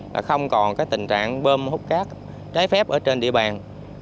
là không còn cái tình trạng bơm hốc cát trái phép ở trên địa bàn